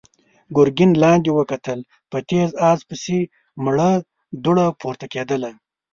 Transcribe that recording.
ګرګين لاندې وکتل، په تېز آس پسې مړه دوړه پورته کېدله.